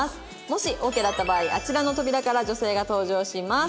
もしオーケーだった場合あちらの扉から女性が登場します。